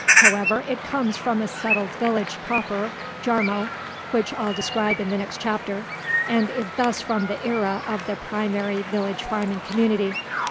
However, it comes from a settled village proper, Jarmo (which I'll describe in the next chapter), and is thus from the era of the primary village farming community.